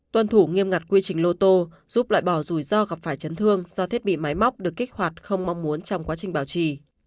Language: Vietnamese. tuân thủ nghiêm ngặt quy trình lô tô giúp loại bỏ rủi ro gặp phải chấn thương do thiết bị máy móc được kích hoạt không mong muốn trong quá trình bảo trì